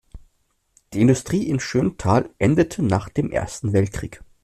Die Industrie in Schönthal endete nach dem Ersten Weltkrieg.